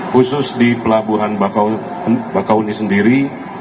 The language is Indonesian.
khusus di pelabuhan bakauni sendiri